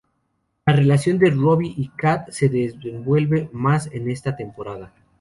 La relación de Robbie y Cat se desenvuelve más en esta temporada.